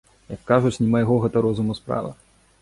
Як кажуць, не майго гэта розуму справа.